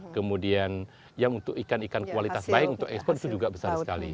kemudian yang untuk ikan ikan kualitas baik untuk ekspor itu juga besar sekali